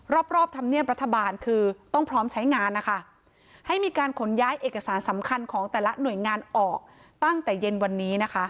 รอบรอบธรรมเนียบรัฐบาลคือต้องพร้อมใช้งานนะคะให้มีการขนย้ายเอกสารสำคัญของแต่ละหน่วยงานออกตั้งแต่เย็นวันนี้นะคะ